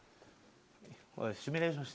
シミュレーションして。